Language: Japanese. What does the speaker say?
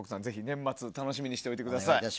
年末楽しみにしていてください。